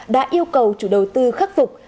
đã yêu cầu chủ đầu tư khắc phục